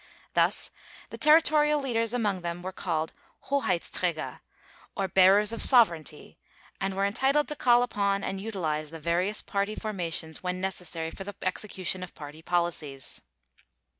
Thus the territorial leaders among them were called Hoheitsträger, or bearers of sovereignty, and were entitled to call upon and utilize the various Party formations when necessary for the execution of Party policies.